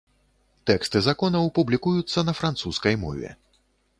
Тэксты законаў публікуюцца на французскай мове.